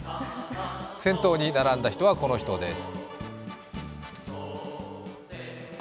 先頭に並んだ人はこの人です。